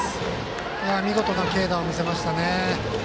見事な軽打を見せましたね。